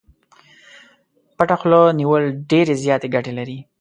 پټه خوله نيول ډېرې زياتې ګټې لري.